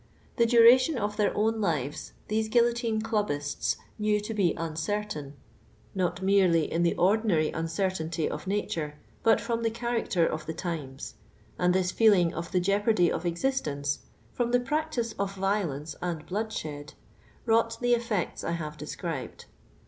Tho duration of their own lives these Guillotine Clubbists knew to be uncertain, not merely in the ordinary uncer tainty of nature, but from the character of the times ; and this feeling of tho jeopardy of exist ence, from the practice »>f violence and bloodshed, wrought the eti'ecta I have described.